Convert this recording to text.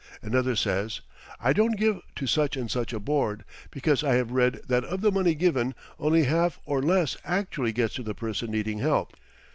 Another says: "I don't give to such and such a board, because I have read that of the money given only half or less actually gets to the person needing help."